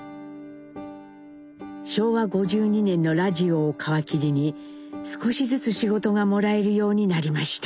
昭和５２年のラジオを皮切りに少しずつ仕事がもらえるようになりました。